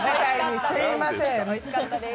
おいしかったでーす。